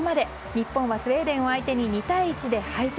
日本はスウェーデンを相手に２対１で敗戦。